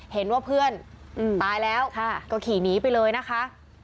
เห็นว่าเพื่อนตายแล้วก็ขี่หนีไปเลยนะคะ